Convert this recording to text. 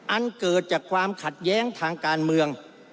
อันเกิดจากความขัดแย้งทางการเมือง